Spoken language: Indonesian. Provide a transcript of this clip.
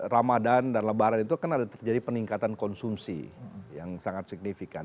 ramadan dan lebaran itu kan ada terjadi peningkatan konsumsi yang sangat signifikan